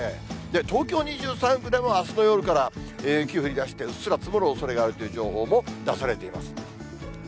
東京２３区でも、あすの夜から雪降りだして、うっすら積もるおそれがあるという情報も出されています。